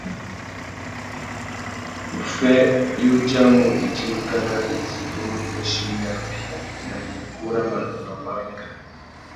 Uffê i udjamú itindikana izí i mú nà ichimbî ya mbeya na ikú râ manônōh mà wenga.